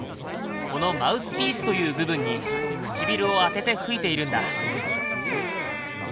このマウスピースという部分に唇を当てて吹いているんだ。